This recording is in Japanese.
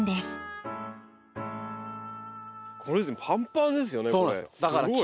これパンパンですよねこれ。